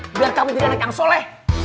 bilang kamu jadi anak yang soleh